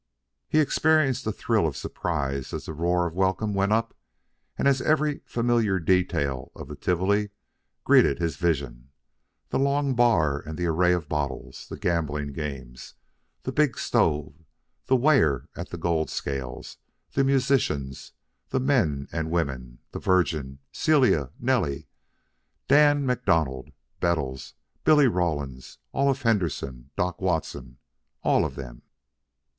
He experienced a thrill of surprise as the roar of welcome went up and as every familiar detail of the Tivoli greeted his vision the long bar and the array of bottles, the gambling games, the big stove, the weigher at the gold scales, the musicians, the men and women, the Virgin, Celia, and Nellie, Dan MacDonald, Bettles, Billy Rawlins, Olaf Henderson, Doc Watson, all of them.